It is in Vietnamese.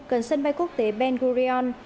gần sân bay quốc tế ben gurion